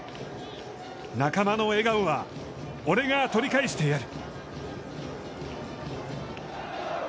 仲間の笑顔は、俺が取り返してやる！